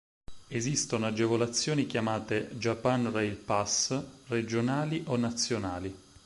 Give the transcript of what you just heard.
Esistono agevolazioni chiamate Japan Rail Pass regionali o nazionali.